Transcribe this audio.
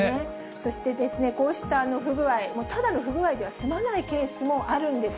そして、こうした不具合、ただの不具合では済まないケースもあるんです。